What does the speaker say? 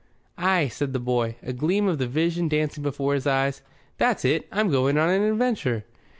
"Ay," said the boy, a gleam of the Vision dancing before his eyes. "That's it. I'm going on an adventure."